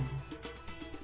kalau saya lihat